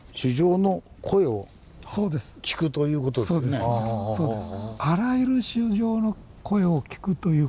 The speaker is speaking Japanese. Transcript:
そうですそうです。